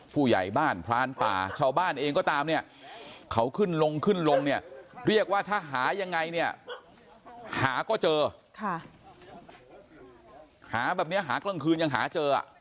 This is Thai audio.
ผู้ใหญ่บ้านพรานป่าชาวบ้านเองก็ตามเนี่ยเขาขึ้นลงขึ้นลงเนี่ยเรียกว่าถ้าหายังไงเนี่ยหาก็เจอค่ะหาแบบนี้หากลางคืนยังหาเจอ